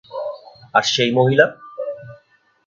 আর সেই মহিলা?